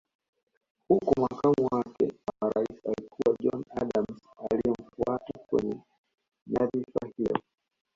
Huku makamu wake wa Rais alikuwa John Adams aliyemfuata kwenye nyadhifa hiyo